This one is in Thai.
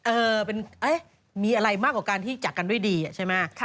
มีอะไรมากกว่าการที่จากกันด้วยดีใช่ไหม